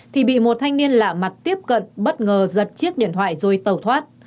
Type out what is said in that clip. thì bị một thanh niên lạ mặt tiếp cận bất ngờ giật chiếc điện thoại rồi tàu thoát